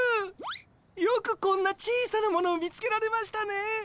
よくこんな小さなものを見つけられましたね！